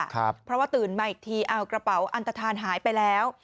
เพราะว่าตื่นมาอีกทีเอากระเป๋าอันตฐานหายไปแล้ว